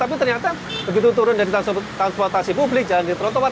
tapi ternyata begitu turun dari transportasi publik jalan di trotoar